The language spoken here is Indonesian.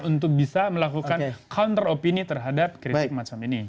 untuk bisa melakukan counter opini terhadap kritik macam ini